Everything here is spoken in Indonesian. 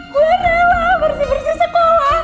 gue rela bersih bersih sekolah